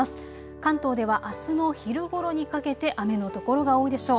関東ではあすの昼ごろにかけて雨の所が多いでしょう。